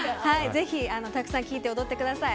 ぜひ、たくさん聴いて踊ってください。